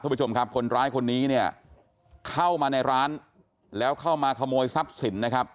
ผู้ชมครับคนร้ายคนนี้เนี่ยเข้ามาในร้านแล้วเข้ามาขโมยทรัพย์สินนะครับ